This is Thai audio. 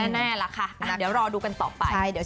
แน่ล่ะค่ะเดี๋ยวรอดูกันต่อไป